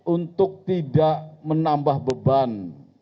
untuk tidak menambah beban